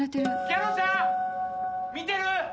ギャロさん見てる？